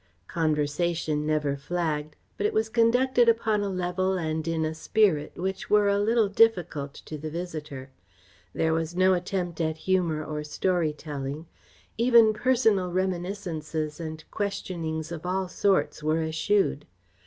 Conversation never flagged, but it was conducted upon a level and in a spirit which were a little difficult to the visitor. There was no attempt at humour or story telling. Even personal reminiscences and questionings of all sorts were eschewed.